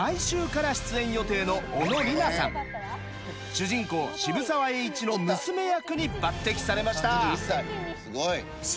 主人公渋沢栄一の娘役に抜てきされました。